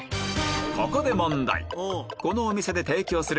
ここで問題